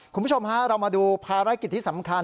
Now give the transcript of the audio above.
คุณผู้ชมฮะเรามาดูภารกิจที่สำคัญ